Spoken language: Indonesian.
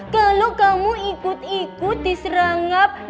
kalau kamu ikut ikut diserang